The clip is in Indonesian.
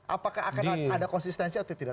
apakah akan ada konsistensi atau tidak